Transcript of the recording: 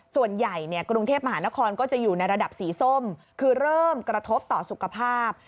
ส่วนใหญ่กรุงเทพมหานครก็จะอยู่ในระดับสีส้มคือเริ่มกระทบต่อสุขภาพ